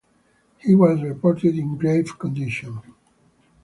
He was reported in "grave" condition.